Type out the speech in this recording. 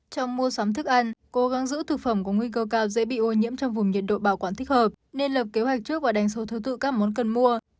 trong mua sắm thức ăn cố gắng giữ thực phẩm có nguy cơ cao dễ bị ô nhiễm trong vùng nhiệt độ bảo quản thích hợp nên lập kế hoạch trước và đánh số thứ tự các món cần mua